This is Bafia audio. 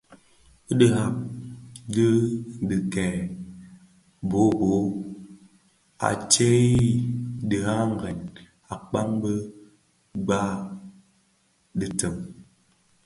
Bi bhon nghabèn dikèè di kiboboo a tsèzii diňarèn akpaň bi gba i kpak dhitin.